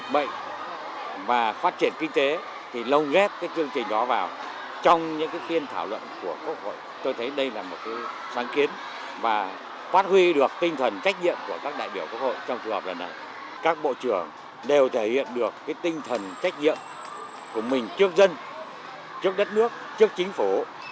bộ trưởng đều thể hiện được tinh thần trách nhiệm của mình trước dân trước đất nước trước chính phủ